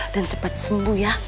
dan cepat sembuh ya